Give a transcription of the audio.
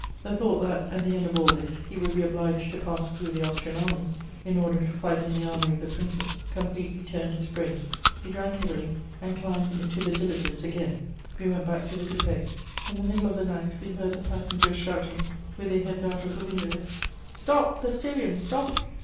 The thought that, at the end of all this, he would be obliged to pass through the Austrian Army, in order to fight in the Army of the Princes, completely turned his brain. He drank heavily and climbed into the diligence again; we went back to the coupé. In the middle of the night we heard the passengers shouting, with their heads out of the windows: "Stop, postilion, stop!"